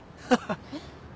えっ？